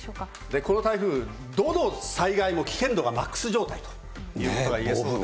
この台風、どの災害も危険度がマックス状態ということがいえそうで。